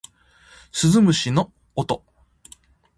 鈴虫の音